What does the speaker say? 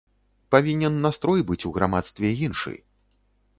Павінен настрой быць у грамадстве іншы.